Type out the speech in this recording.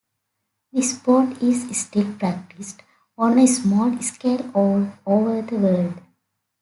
The sport is still practiced on a small scale all over the world.